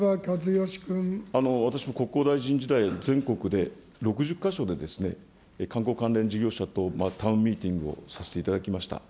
私も国交大臣時代、全国で、６０か所で観光関連事業者とタウンミーティングをさせていただきました。